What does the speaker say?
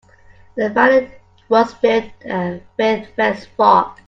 The valley was filled with dense fog.